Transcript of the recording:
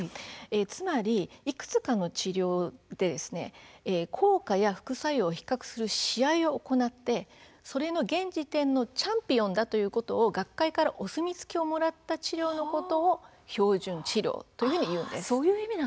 つまり、いくつかの治療をして効果や副作用を比較し試合を行って現時点でチャンピオンであるということを学会からお墨付きをもらった治療のことを標準治療というんです。